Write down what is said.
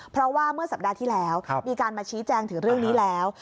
เพราะว่าเมื่อสัปดาห์ที่แล้วมีการมาชี้แจงถึงเรื่องนี้แล้ว